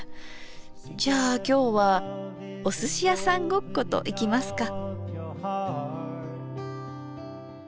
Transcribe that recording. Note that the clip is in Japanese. じゃあ今日はおすしやさんごっこといきますか。